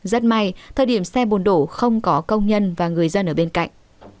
rất may thời điểm xe bồn đổ không có công nhân và người dân ở bên cạnh